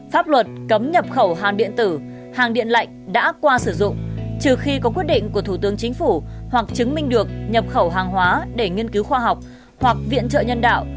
pháp luật cấm nhập khẩu hàng điện tử hàng điện lạnh đã qua sử dụng trừ khi có quyết định của thủ tướng chính phủ hoặc chứng minh được nhập khẩu hàng hóa để nghiên cứu khoa học hoặc viện trợ nhân đạo